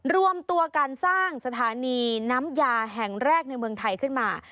รวมตัวการสร้างสถานีน้ำยาแห่งแรกในเมืองไทยขึ้นมา